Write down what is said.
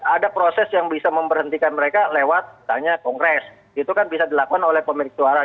ada proses yang bisa memberhentikan mereka lewat misalnya kongres itu kan bisa dilakukan oleh pemilik suara